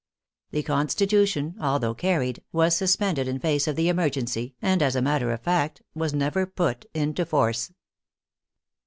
The Constitution, although carried, was suspended in face of the emergency, and, as a matter of fact, was never put into force.